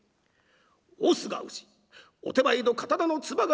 「大須賀氏お手前の刀のつばが割れました。